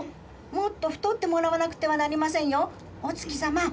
もっとふとってもらわなくてはなりませんよ、お月さま。